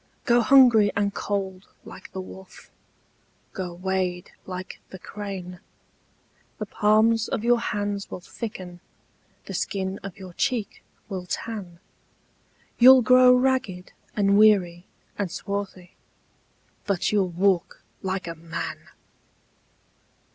Go hungry and cold like the wolf, Go wade like the crane:The palms of your hands will thicken, The skin of your cheek will tan, You 'll grow ragged and weary and swarthy, But you 'll walk like a man!